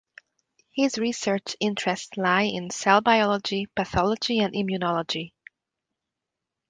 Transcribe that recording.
His research interests lie in Cell Biology, Pathology, and Immunology.